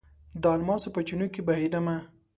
د الماسو په چېنو کې بهیدمه